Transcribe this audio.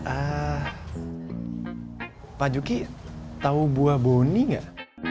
ah pak joky tau buah boni nggak